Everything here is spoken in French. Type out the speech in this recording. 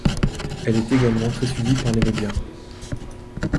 Elle est également très suivie par les médias.